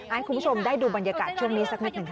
ให้คุณผู้ชมได้ดูบรรยากาศช่วงนี้สักนิดหนึ่งค่ะ